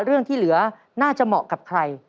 เรื่องที่เหลือน่าจะเหมาะกับใคร